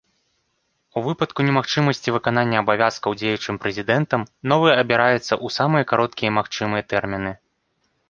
У выпадку немагчымасці выканання абавязкаў дзеючым прэзідэнтам новы абіраецца ў самыя кароткія магчымыя тэрміны.